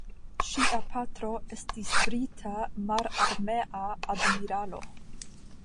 Ŝia patro estis brita mararmea admiralo.